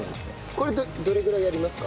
これどれぐらいやりますか？